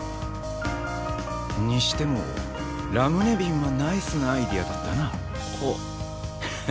にしてもラムネ瓶はナイスなアイデアだったな。